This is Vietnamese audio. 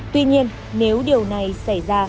tuy nhiên nếu điều này xảy ra